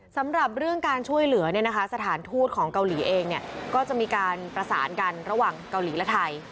สำหรับเรื่องการช่วยเหลือสถานทูตของเกาหลีเองก็จะมีการประสานกันระหว่างเกาหลีและไทย